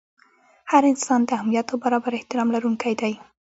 هر انسان د اهمیت او برابر احترام لرونکی دی.